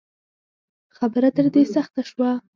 خبره تر دې سخته شوه